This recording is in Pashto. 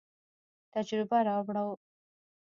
تجربه راوړو.